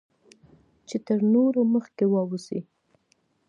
چې تر نورو مخکې واوسی